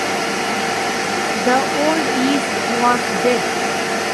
The Old East was dead.